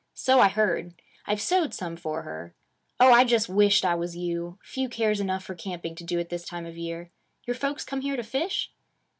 So I heard. I've sewed some for her. Oh, I just wisht I was you. Few cares enough for camping to do it this time of year. Your folks come here to fish?'